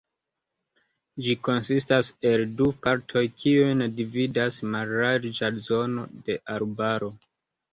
Ĝi konsistas el du partoj kiujn dividas mallarĝa zono de arbaro.